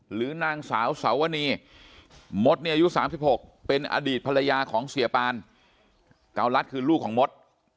หรือนางสาวสวนีมดเนี่ยอายุ๓๖เป็นอดีตภรรยาของเสียปานเการัฐคือลูกของมด